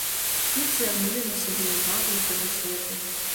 Мы б звярнулі на сябе ўвагу ўсяго свету.